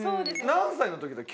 何歳の時だ？